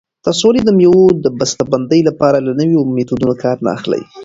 تاسې ولې د مېوو د بسته بندۍ لپاره له نویو میتودونو کار نه اخلئ؟